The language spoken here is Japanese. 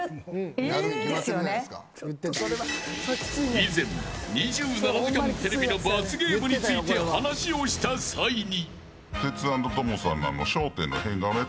以前２７時間テレビの罰ゲームについて話をした際に。